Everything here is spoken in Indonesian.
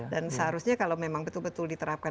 dan seharusnya kalau memang betul betul diterapkan